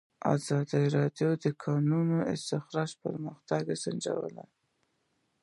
ازادي راډیو د د کانونو استخراج پرمختګ سنجولی.